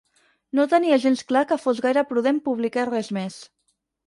No tenia gens clar que fos gaire prudent publicar res més.